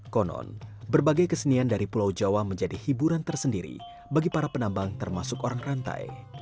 konon berbagai kesenian dari pulau jawa menjadi hiburan tersendiri bagi para penambang termasuk orang rantai